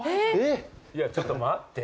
ちょっと待って。